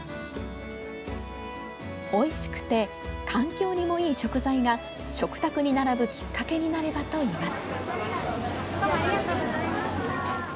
おいしくて環境にもいい食材が食卓に並ぶきっかけになればといいます。